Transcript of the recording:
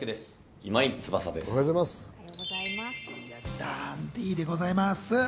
ダンディでございます。